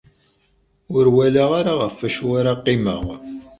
Ur walaɣ ara ɣef wacu ara qqimeɣ.